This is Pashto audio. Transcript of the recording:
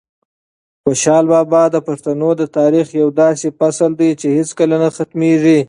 خوشحال بابا د پښتنو د تاریخ یو داسې فصل دی چې هیڅکله نه ختمېږي.